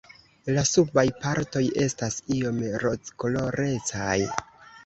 La subaj partoj estas iom rozkolorecaj.